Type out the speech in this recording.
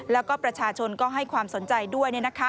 แล้วก็ประชาชนก็ให้ความสนใจด้วย